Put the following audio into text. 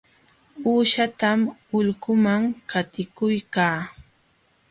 Uushatam ulquman qatikuykaa.